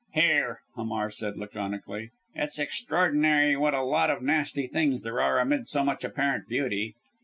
"Here," Hamar said laconically. "It's extraordinary what a lot of nasty things there are amid so much apparent beauty.